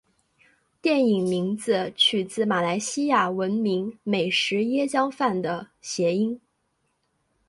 电影名字取自马来西亚闻名美食椰浆饭的谐音。